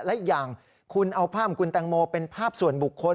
และอีกอย่างคุณเอาภาพของคุณแตงโมเป็นภาพส่วนบุคคล